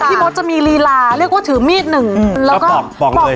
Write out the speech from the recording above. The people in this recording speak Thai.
พี่มดจะมีลีลาเรียกว่าถือมีดหนึ่งแล้วก็บอก